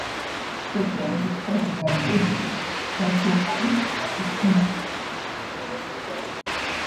Second, it has the best agricultural land in the proximity of those basins.